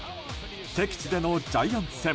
敵地でのジャイアンツ戦。